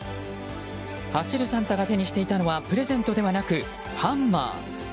走るサンタが手にしていたのはプレゼントではなく、ハンマー！